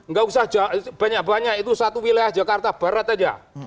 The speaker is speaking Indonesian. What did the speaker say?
nggak usah banyak banyak itu satu wilayah jakarta barat aja